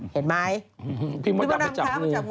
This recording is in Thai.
เห็นไหม